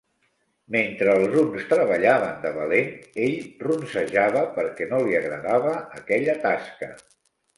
Mentre els uns treballaven de valent, ell ronsejava perquè no li agradava aquella tasca.